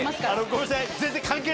ごめんなさい。